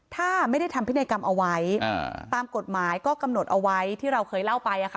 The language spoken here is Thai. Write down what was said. ถ้าไม่ได้ทำพินัยกรรมเอาไว้ตามกฎหมายก็กำหนดเอาไว้ที่เราเคยเล่าไป